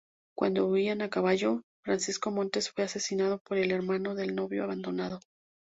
Cuando huían a caballo, Francisco Montes fue asesinado por el hermano del novio abandonado.